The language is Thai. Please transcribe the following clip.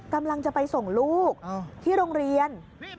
กำลังจะไปส่งลูกที่โรงเรียน